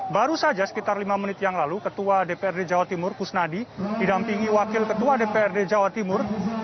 baru saja sekitar lima menit yang lalu ketua dprd jawa timur kusnadi didampingi wakil ketua dprd jawa timur